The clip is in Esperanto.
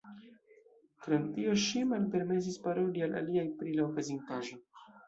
Krom tio ŝi malpermesis paroli al aliaj pri la okazintaĵo.